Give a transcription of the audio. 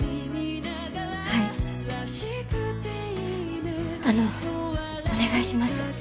はいあのお願いします